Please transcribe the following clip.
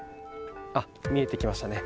見えてきましたね。